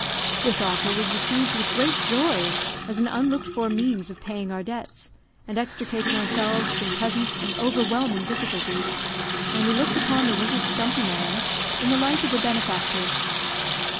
This offer was received with great joy, as an unlooked for means of paying our debts, and extricating ourselves from present and overwhelming difficulties, and we looked upon the little stumpy man in the light of a benefactor.